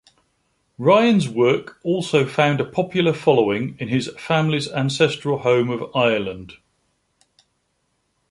Ryan's work also found a popular following in his family's ancestral home of Ireland.